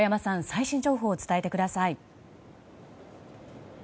最新情報を伝えてください。